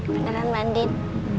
beneran mbak din